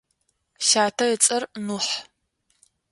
Сятэ ыцӏэр Нухь.